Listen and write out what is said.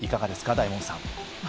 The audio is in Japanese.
大門さん。